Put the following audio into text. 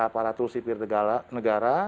para tursipir negara